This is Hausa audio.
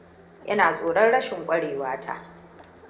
Ina tsoron rashin kwarewa ta.